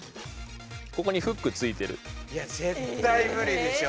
ここにフックついてる。